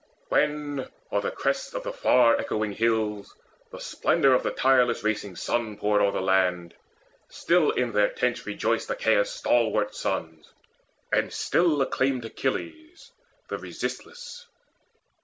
When o'er the crests of the far echoing hills The splendour of the tireless racing sun Poured o'er the land, still in their tents rejoiced Achaea's stalwart sons, and still acclaimed Achilles the resistless.